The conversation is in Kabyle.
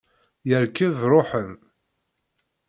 Yerkeb, ruḥen.